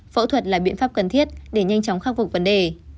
phẫu thuật là biện pháp cần thiết để nhanh chóng khắc phục vấn đề